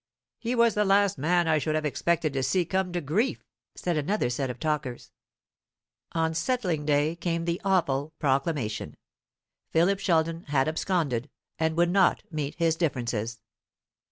"He was the last man I should have expected to see come to grief," said another set of talkers. On settling day came the awful proclamation Philip Sheldon had absconded, and would not meet his differences.